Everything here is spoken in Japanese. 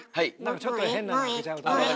ちょっと変なの入れちゃうとか。